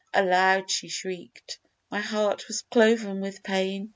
Aloud she shriek'd My heart was cloven with pain.